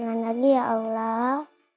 jalan lagi ya allah